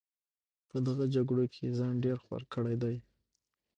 په دغه جګړو کې ځان ډېر خوار کړی دی.